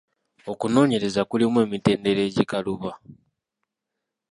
Okunoonyereza kulimu emitendera egikaluba.